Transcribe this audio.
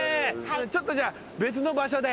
ちょっとじゃあ別の場所で。